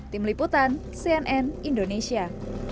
tim liputan cnn indonesia